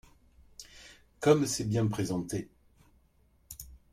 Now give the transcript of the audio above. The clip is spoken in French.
Comme c’est bien présenté